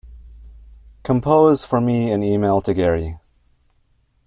Compose for me an email to Gary.